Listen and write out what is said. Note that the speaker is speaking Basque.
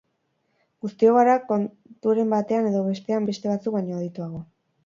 Guztiok gara konturen batean edo bestean beste batzuk baino adituago.